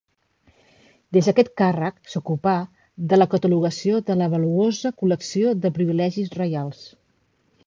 Des d'aquest càrrec s'ocupà de la catalogació de la valuosa col·lecció de privilegis reials.